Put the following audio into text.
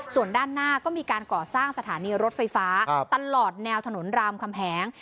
ส่วนด้านหน้าก็มีการก่อสร้างสถานีรถไฟฟ้าตลอดแนวถนนรามคำแหง